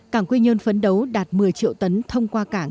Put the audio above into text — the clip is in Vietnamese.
cảng quy nhơn phấn đấu đạt một mươi triệu tấn thông qua cảng